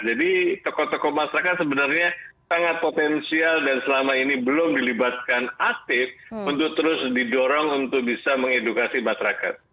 jadi tokoh tokoh masyarakat sebenarnya sangat potensial dan selama ini belum dilibatkan aktif untuk terus didorong untuk bisa mengedukasi masyarakat